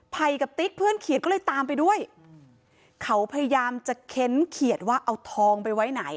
กับติ๊กเพื่อนเขียดก็เลยตามไปด้วยเขาพยายามจะเค้นเขียดว่าเอาทองไปไว้ไหน